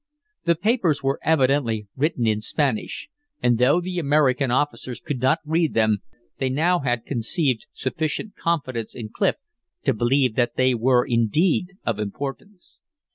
The papers were evidently written in Spanish, and though the American officers could not read them, they now had conceived sufficient confidence in Clif to believe that they were indeed of importance.